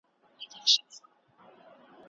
دردونه څنګه خطاباسې د ټکور تر کلي